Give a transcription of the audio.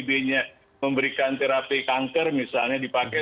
untuk mengatasi pandemi tidak pas sama sekali tidak logis sama sekali